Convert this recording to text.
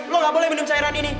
lo gak boleh minum cairan ini